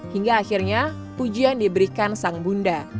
hingga akhirnya pujian diberikan sang bunda